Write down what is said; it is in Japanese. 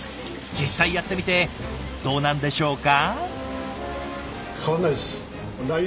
実際やってみてどうなんでしょうか？